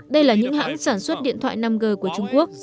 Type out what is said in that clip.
đây là những hãng sản xuất điện thoại năm g của trung quốc